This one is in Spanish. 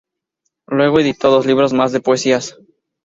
Luego editó dos libros más de poesías.